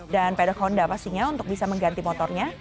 dan pedok honda pastinya untuk bisa mengganti motornya